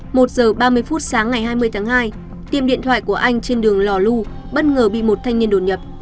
một giờ ba mươi phút sáng ngày hai mươi tháng hai tiệm điện thoại của anh trên đường lò lu bất ngờ bị một thanh niên đột nhập